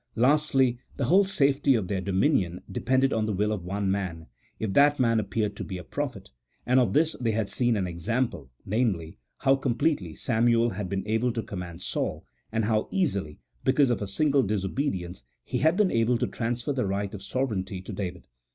Lastly, the whole safety of their do minion depended on the will of one man, if that man ap peared to be a prophet; and of this they had seen an example, namely, how completely Samuel had been able to command Saul, and how easily, because of a single dis obedience, he had been able to transfer the right of sovereignty to David.